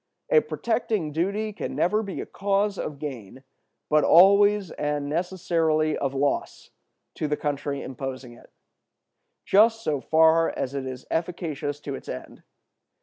A protecting duty can never be a cause of gain, but always and necessarily of loss, to the country imposing it, just so far as it is efficacious to its end.